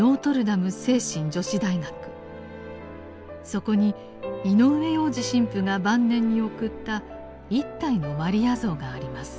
そこに井上洋治神父が晩年に贈った一体のマリア像があります。